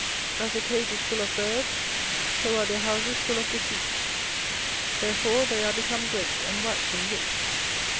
24:005:027 As a cage is full of birds, so are their houses full of deceit: therefore they are become great, and waxen rich.